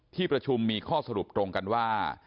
ที่ประชุมมีข้อสรุปตรงกันว่า